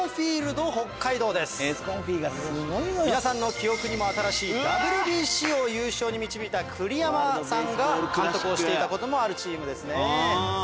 記憶にも新しいＷＢＣを優勝に導いた栗山さんが監督してたこともあるチームですね。